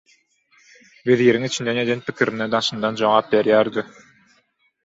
weziriň içinden eden pikirine daşyndan jogap berýär-de